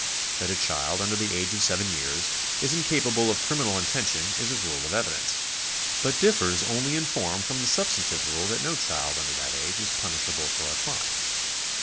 That a child under the age of seven years is incapable of criminal intention is a rule of evidence, but differs only in form from the substantive rule that no child under that age is punishable for a crime.